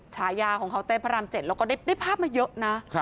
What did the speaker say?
ฉายาของเคานเต้พระราม๗แล้วก็ได้ภาพมาเยอะนะ